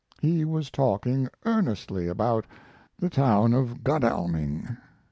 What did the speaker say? He was talking earnestly about the town of Godalming.